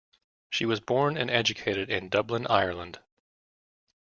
She was born and educated in Dublin, Ireland.